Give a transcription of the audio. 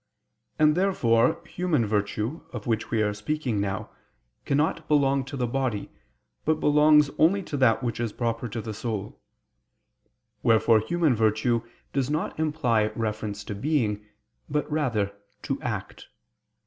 And therefore, human virtue, of which we are speaking now, cannot belong to the body, but belongs only to that which is proper to the soul. Wherefore human virtue does not imply reference to being, but rather to act.